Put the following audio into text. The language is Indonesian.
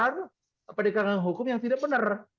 atau dikarenakan hukum yang tidak benar